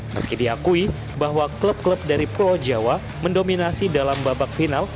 meski diakui bahwa klub klub dari pulau jawa mendominasi dalam babak final